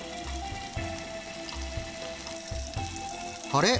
あれ？